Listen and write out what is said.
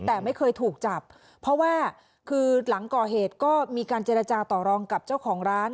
แต่ไม่เคยถูกจับเพราะว่าคือหลังก่อเหตุก็มีการเจรจาต่อรองกับเจ้าของร้าน